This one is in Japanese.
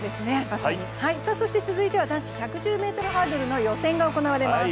続いては男子１１０ｍハードルの予選が行われます。